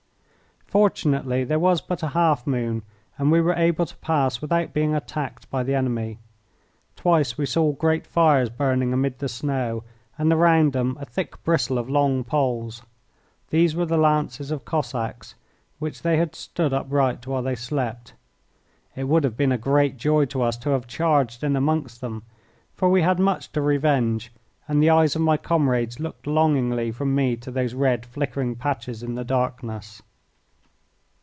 Fortunately there was but a half moon, and we were able to pass without being attacked by the enemy. Twice we saw great fires burning amid the snow, and around them a thick bristle of long poles. These were the lances of Cossacks, which they had stood upright while they slept. It would have been a great joy to us to have charged in amongst them, for we had much to revenge, and the eyes of my comrades looked longingly from me to those red flickering patches in the darkness.